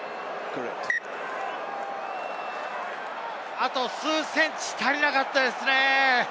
あと数ｃｍ足りなかったですね。